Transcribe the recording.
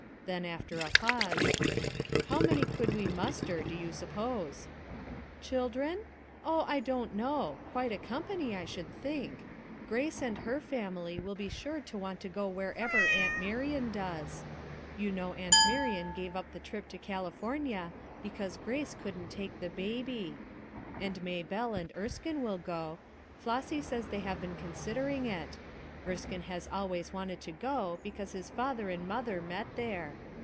Then, after a pause : "How many could we muster, do you sup pose?" "Children? Oh, I don't know; quite a com pany, I should think. Grace and her family will be sure to want to go wherever Aunt Marian does ; you know Aunt Marian gave up the trip to California because Grace couldn't take the baby; and Maybelle and Erskine will go ; Flossy says they have been considering it; Erskine has always wanted to go, because his father and mother met there.